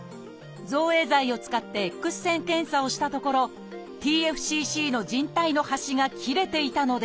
造影剤を使ってＸ線検査をしたところＴＦＣＣの靭帯の端が切れていたのです。